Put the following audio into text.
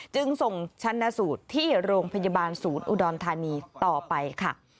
จึงส่งชนะสูตรที่โรงพยาบาลศูนย์อุดรธานีต่อไปค่ะ